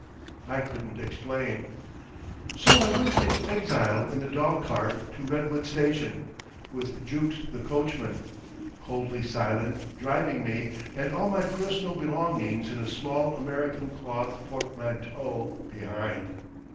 I couldn't explain. So I went into exile in the dog cart to Redwood station, with Jukes the coachman, coldly silent, driving me, and all my personal belongings in a small American cloth portmanteau behind.